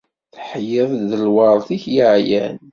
Teḥyiḍ-d lweṛt-ik yeɛyan!